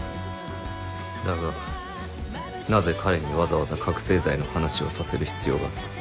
だがなぜ彼にわざわざ覚せい剤の話をさせる必要があった？